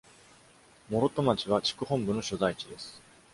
諸戸町は地区本部の所在地です。